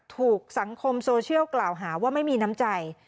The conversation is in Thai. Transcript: ถูกสังคมโซเชียลกล่าวหาว่าไม่มีน้ำใจ